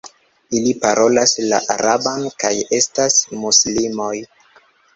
Ili parolas la araban kaj estas muslimoj.